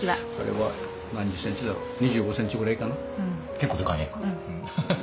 結構でかいね。